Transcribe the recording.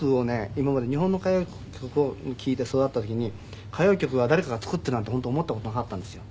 今まで日本の歌謡曲を聴いて育った時に歌謡曲は誰かが作ってるなんて本当思った事なかったんですよ。